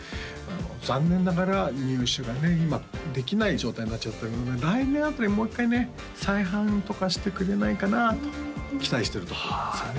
残念ながら入手がね今できない状態になっちゃってるんで来年あたりもう一回ね再販とかしてくれないかなと期待しているところなんですよね